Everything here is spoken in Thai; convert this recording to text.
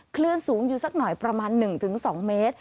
คลื่นสูงอยู่สักหน่อยประมาณ๑๒เมตร